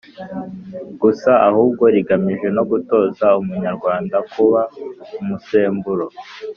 gusa ahubwo rigamije no gutoza umunyarwanda kuba umusemburo